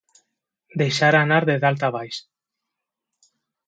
Deixar anar de dalt a baix.